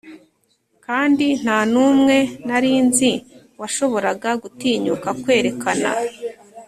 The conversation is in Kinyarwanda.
kandi ntanumwe nari nzi washoboraga gutinyuka kwerekana